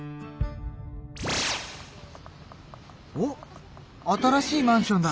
おっ新しいマンションだ。